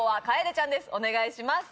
お願いします。